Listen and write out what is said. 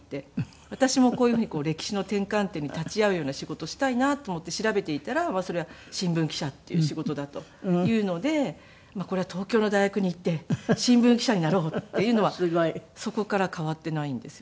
私もこういうふうに歴史の転換点に立ち会うような仕事をしたいなと思って調べていたらそれは新聞記者っていう仕事だというのでこれは東京の大学に行って新聞記者になろうっていうのはそこから変わっていないんですよね。